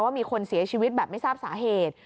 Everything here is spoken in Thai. มีคนเสียชีวิตแบบไม่ทราบสาเหตุ